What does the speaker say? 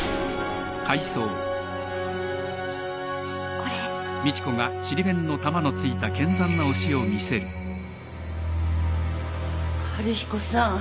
これ春彦さん。